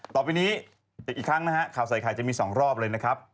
ต่อไปนี้อีกครั้งนะฮะข่าวใส่ไข่จะมี๒รอบเลยนะครับ